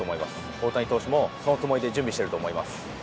大谷投手も、そのつもりで準備していると思います。